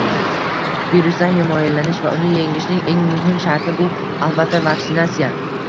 Virusdan himoyalanish va uni yengishning eng muhim sharti – bu albatta vaksinatsiya.